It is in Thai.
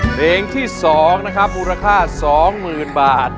เพลงที่๒นะครับมูลค่า๒๐๐๐บาท